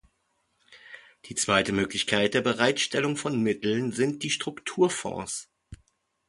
Die zweite Möglichkeit der Bereitstellung von Mitteln sind die Strukturfonds.